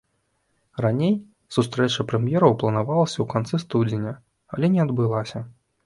Раней сустрэча прэм'ераў планавалася ў канцы студзеня, але не адбылася.